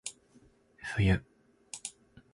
冬